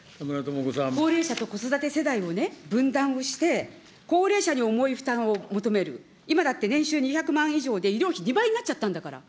高齢者と子育て世帯をね、分断をして、高齢者に重い負担を求める、今だって年収２００万以上で、医療費２倍になっちゃったんだから。